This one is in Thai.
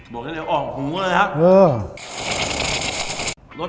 บอกได้เลยออกหูเลยครับ